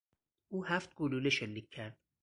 او هفت گلوله شلیک کرد.